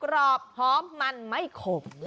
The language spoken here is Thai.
กรอบหอมมันไม่ขม